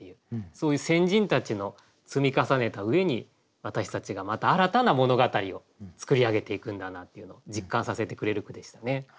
そういう先人たちの積み重ねた上に私たちがまた新たな物語を作り上げていくんだなっていうのを実感させてくれる句でしたね。